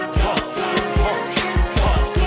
เจดี้